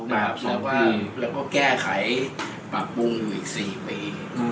แล้วก็แก้ไขปรับปรุงอีก๔ปี